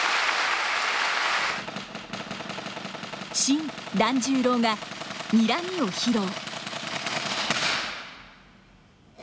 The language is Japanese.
新團十郎が「にらみ」を披露。